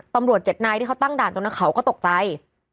ตำรวจ๗นายที่เขาตั้งด่านตรงนั้นเขาก็ตกใจ